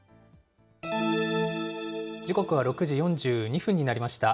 時刻は６時４２分になりました。